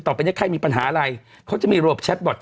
ต่อไปในไข้มีปัญหาอะไรเขาจะมีโรบแชทบอต